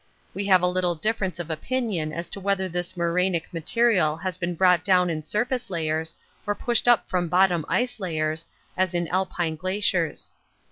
We have a little difference of opinion as to whether this morainic material has been brought down in surface layers or pushed up from the bottom ice layers, as in Alpine glaciers.